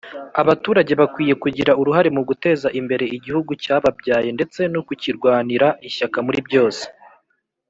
Abaturage bakwiye kugira uruhare mu guteza imbere igihugu cyababyaye ndetse no kuki rwanira ishyaka muri byose.